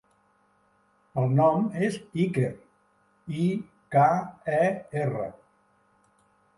El nom és Iker: i, ca, e, erra.